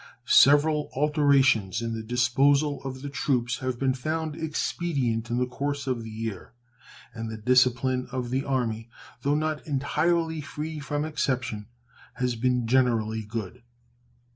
Several alterations in the disposal of the troops have been found expedient in the course of the year, and the discipline of the Army, though not entirely free from exception, has been generally good.